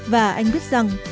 và anh biết rằng